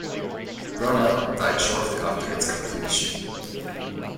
Brunel died shortly after its completion.